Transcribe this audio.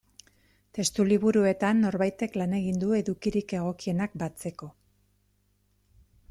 Testu liburuetan norbaitek lan egin du edukirik egokienak batzeko.